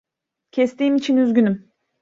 Kestiğim için üzgünüm.